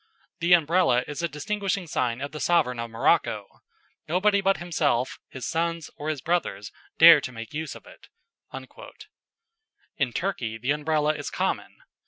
The Umbrella is a distinguishing sign of the sovereign of Morocco. Nobody but himself, his sons, or his brothers dare to make use of it." In Turkey the Umbrella is common.